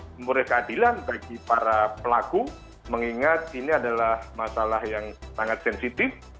memurah keadilan bagi para pelaku mengingat ini adalah masalah yang sangat sensitif